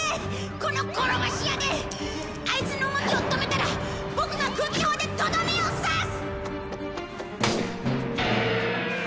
このころばし屋でアイツの動きを止めたらボクが空気砲でとどめを刺す！